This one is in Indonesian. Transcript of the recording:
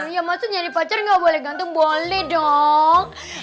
ya maksudnya nih pacar gak boleh ganteng boleh dong